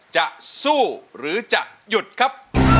จะสู้หรือจะหยุดครับ